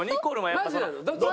どっち？